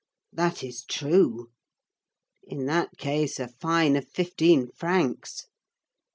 "That is true." "In that case, a fine of fifteen francs."